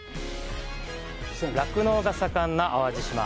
酪農が盛んな淡路島。